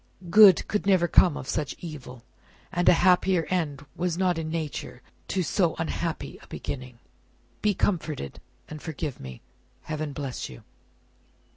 Good could never come of such evil, a happier end was not in nature to so unhappy a beginning. Be comforted, and forgive me. Heaven bless you!"